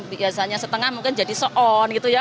biasanya setengah mungkin jadi se on gitu ya